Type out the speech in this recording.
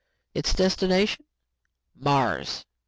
Its destination Mars!